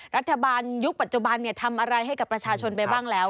รัฐบาลยุคปัจจุบันทำอะไรให้กับประชาชนไปบ้างแล้ว